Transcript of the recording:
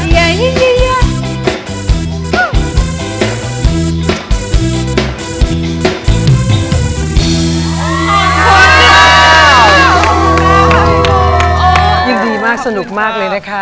ยิ่งดีมากสนุกมากครับ